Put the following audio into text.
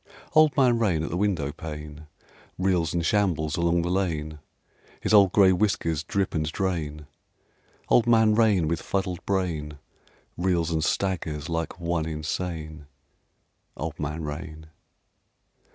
Old Man Rain at the windowpane Reels and shambles along the lane: His old gray whiskers drip and drain: Old Man Rain with fuddled brain Reels and staggers like one insane. Old Man Rain.